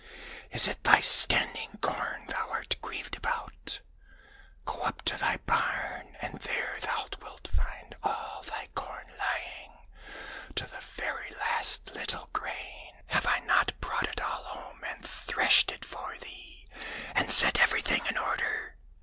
Is it thy standing corn thou art grieved about } Go up to thy barn, and there thou wilt find all thy corn lying, to the very last little grain. Have I not brought it all home and threshed it for thee, and set everything in order